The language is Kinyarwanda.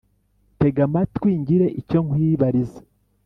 tega amatwi ngire icyo nkwibariza